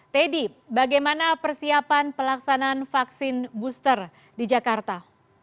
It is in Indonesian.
teddy bagaimana persiapan pelaksanaan vaksin booster di jakarta